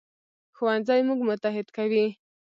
ښوونځی موږ متحد کوي